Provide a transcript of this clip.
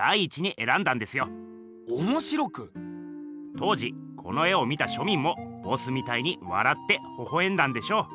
当時この絵を見た庶民もボスみたいにわらってほほえんだんでしょう。